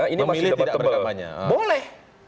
ini masih dapat tebel boleh